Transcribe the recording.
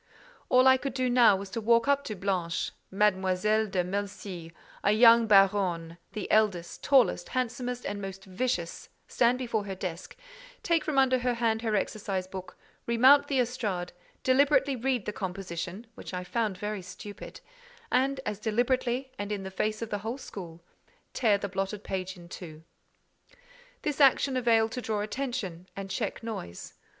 All I could now do was to walk up to Blanche—Mademoiselle de Melcy, a young baronne—the eldest, tallest, handsomest, and most vicious—stand before her desk, take from under her hand her exercise book, remount the estrade, deliberately read the composition, which I found very stupid, and, as deliberately, and in the face of the whole school, tear the blotted page in two. This action availed to draw attention and check noise.